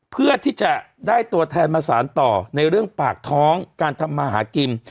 เพื่อที่จะได้ตัวแทนมาสารต่อในเรื่องปากท้องการทำมาหากิน